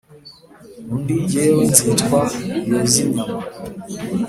undi jyewe nzitwa yozinyama,